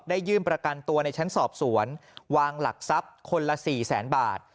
ยื่นประกันตัวในชั้นสอบสวนวางหลักทรัพย์คนละสี่แสนบาท